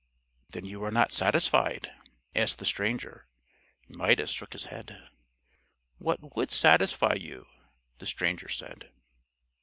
"Then you are not satisfied?" asked the stranger. Midas shook his head. "What would satisfy you?" the stranger said.